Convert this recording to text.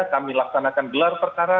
kami laksanakan gelar perkara